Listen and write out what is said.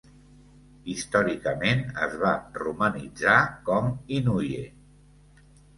Històricament, es va romanitzar com "Inouye".